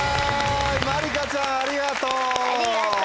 まりかちゃんありがとう！